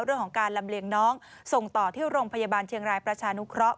เรื่องของการลำเลียงน้องส่งต่อที่โรงพยาบาลเทียงรายประชานุเคราะห์